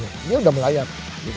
ini sudah melayar